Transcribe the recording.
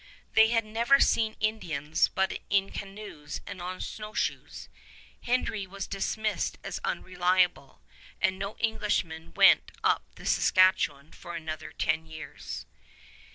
They had never seen Indians but in canoes and on snowshoes! Hendry was dismissed as unreliable, and no Englishman went up the Saskatchewan for another ten years.